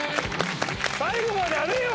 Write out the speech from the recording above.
最後までやれよ！